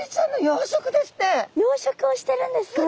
養殖をしてるんですか？